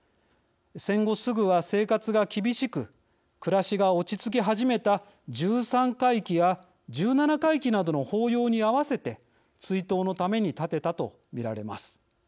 戦後すぐは生活が厳しく暮らしが落ち着き始めた１３回忌や１７回忌などの法要に合わせて追悼のために建てたと見られます。